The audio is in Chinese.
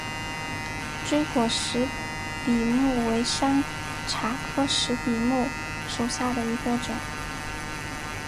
锥果石笔木为山茶科石笔木属下的一个种。